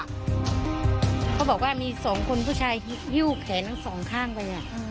เขาบอกว่ามีสองคนผู้ชายฮิ้วแขนทั้งสองข้างไป